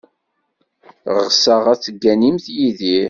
Ɣseɣ ad tegganimt Yidir.